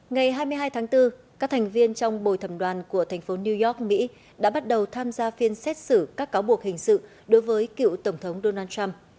ngày hai mươi hai tháng bốn các thành viên trong bồi thẩm đoàn của thành phố new york mỹ đã bắt đầu tham gia phiên xét xử các cáo buộc hình sự đối với cựu tổng thống donald trump